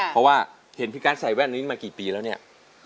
เพราะว่าเห็นพี่การใส่แว่นนี้มากี่ปีแล้วเนี่ย